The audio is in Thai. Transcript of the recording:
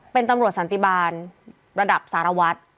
เป็นตำรวจสันติบาลระดับสารวัตร